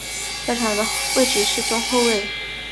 在场上的位置是中后卫。